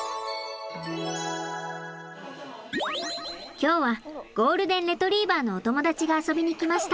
今日はゴールデン・レトリーバーのお友達が遊びに来ました。